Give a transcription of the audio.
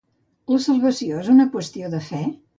La salvació és una qüestió de fe?